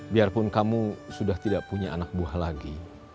biarpun kamu sudah tidak punya anak buah lagi